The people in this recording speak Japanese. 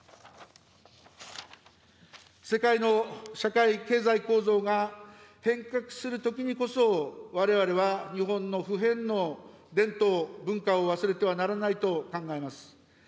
世界の社会・経済構造が変革するときにこそ、われわれは日本の不変の伝統・文化を忘れてはならないと考えます。